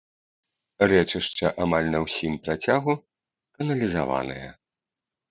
Рэчышча амаль на ўсім працягу каналізаванае.